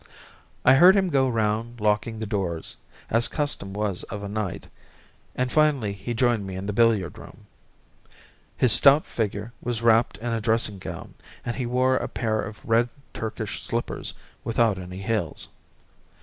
I heard him go round locking the doors, as custom was of a night, and finally he joined me in the billiard room. His stout figure was wrapped in a dressing gown, and he wore a pair of red Turkish slippers without any heels.